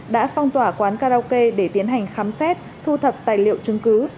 đã phong tỏa quán karaoke để tiến hành khám xét thu thập tài liệu chứng cứ